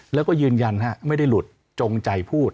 แล้วก็ยืนยันไม่ได้หลุดจงใจพูด